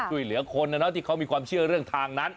ที่เหลือคนนะเนอะที่เขามีความเชื่อเรื่องทางนั้น